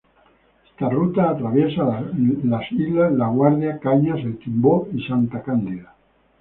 Esta ruta atraviesa las islas "La Guardia", "Cañas", "El Timbó" y "Santa Cándida".